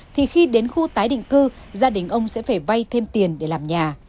thì khi đến khu tái định cư gia đình ông sẽ phải vay thêm tiền để làm nhà